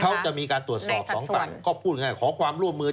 เขาจะมีการตรวจสอบสองฝั่งก็พูดง่ายขอความร่วมมือ